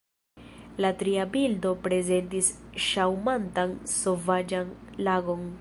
La tria bildo prezentis ŝaŭmantan, sovaĝan lagon.